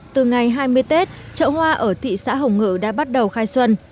từ ngày hai mươi tết chợ hoa ở thị xã hồng ngự đã bắt đầu khai xuân